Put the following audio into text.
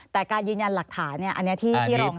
แต่การยืนยันหลักฐานอันนี้ที่รอง